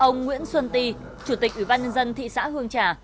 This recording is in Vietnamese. nguyễn xuân ti chủ tịch ủy ban nhân dân thị xã hương trà